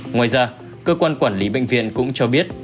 ngoài ra cơ quan quản lý bệnh viện cũng cho biết